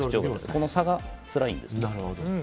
この差がつらいんです。